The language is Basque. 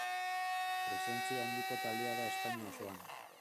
Presentzia handiko taldea da Espainia osoan.